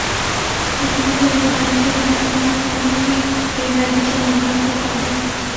حکومت اور ریفائنریز میں فرنس ئل کی خریداری پر معاملات طے پاگئے